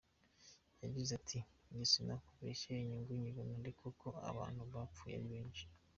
Yagize ati “Njye sinakubeshya inyungu nyibona ari uko abantu bapfuye ari benshi.